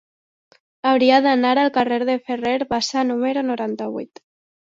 Hauria d'anar al carrer de Ferrer Bassa número noranta-vuit.